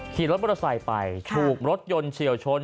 ขี่รถมอเตอร์ไซค์ไปถูกรถยนต์เฉียวชน